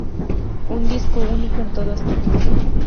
Un Disco único en todo aspecto.